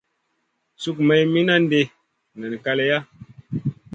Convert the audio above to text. Suk me minandi nen kaleya.